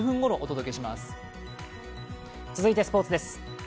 続いてスポーツです。